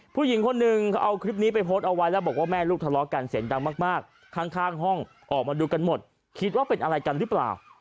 ผู้หญิงคนหนึ่งเขาเอาคลิปนี้ไปโพสต์เอาไว้แล้วบอกว่าแม่ลูกทะเลาะกันเสียงดังมากข้างห้องออกมาดูกันหมดคิดว่าเป็นอะไรกันหรือเปล่า